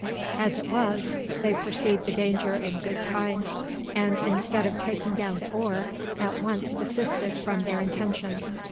As it was, they perceived the danger in good time; and, instead of taking down the oar, at once desisted from their intention.